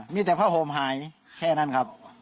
มีแต่ผ้าห่มหายแค่นั้นครับ